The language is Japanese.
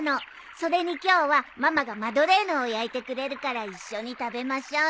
それに今日はママがマドレーヌを焼いてくれるから一緒に食べましょうよ。